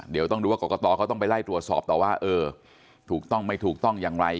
เดี๋ยวต้องดูว่ากรกตเขาต้องไปไล่ตรวจสอบต่อว่าเออถูกต้องไม่ถูกต้องอย่างไร